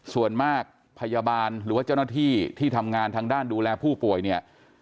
ส่วนมากพยาบาลหรือว่าเจ้าหน้าที่ที่ทำงานทางด้านดูแลผู้ป่วยเนี่ย